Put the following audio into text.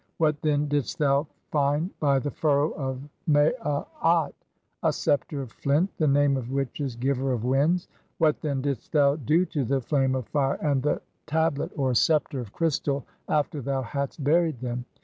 (25) What, then, didst thou find by the furrow of "Maaat? A sceptre of flint, the name of which is 'Giver of winds'. "What, then, didst thou do to the flame of fire and the (26) tablet u (or sceptre) of crystal after thou hadst buried them?